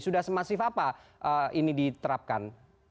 sudah semasif apa ini diterapkan